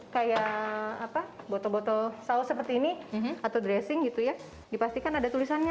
kayak apa botol botol saus seperti ini atau dressing gitu ya dipastikan ada tulisannya